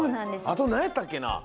あとなんやったっけな？